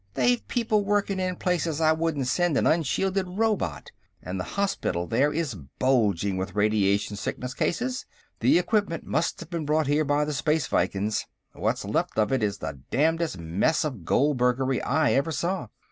They've people working in places I wouldn't send an unshielded robot, and the hospital there is bulging with radiation sickness cases. The equipment must have been brought here by the Space Vikings. What's left of it is the damnedest mess of goldbergery I ever saw.